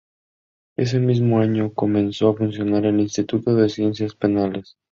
Ese mismo año comenzó a funcionar el Instituto de Ciencias Penales.